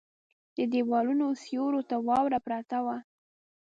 د ديوالونو سيورو ته واوره پرته وه.